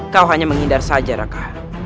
kau hanya menghindar saja raka